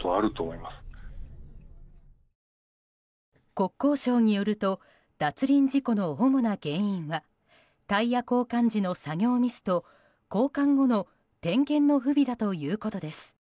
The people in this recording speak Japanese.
国交省によると脱輪事故の主な原因はタイヤ交換時の作業ミスと交換後の点検の不備だということです。